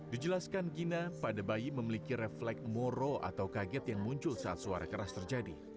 dijelaskan gina pada bayi memiliki refleks moro atau kaget yang muncul saat suara keras terjadi